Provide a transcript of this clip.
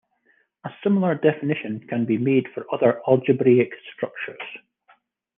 A similar definition can be made for other algebraic structures.